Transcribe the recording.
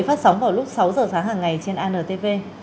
phát sóng vào lúc sáu giờ sáng hàng ngày trên antv